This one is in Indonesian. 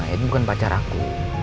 itu bukan pacar aku